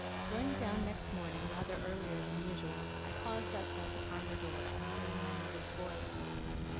Going down next morning rather earlier than usual, I paused outside the parlour door, on hearing my mother's voice.